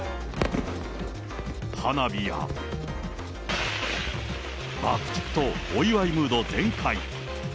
花火や、爆竹と、お祝いムード全開。